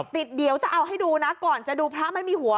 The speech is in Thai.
เดี๋ยวจะเอาให้ดูนะก่อนจะดูพระไม่มีหัว